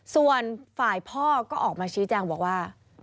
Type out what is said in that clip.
ส่วนฝ่ายพ่อก็ออกมาชี้แจงบอกว่า